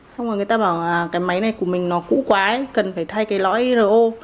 xong rồi người ta bảo cái máy này của mình nó cũ quái cần phải thay cái lõi ro